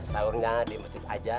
saurnya di masjid aja